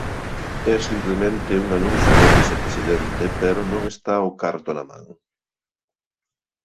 É simplemente un anuncio do vicepresidente pero non está o carto na man.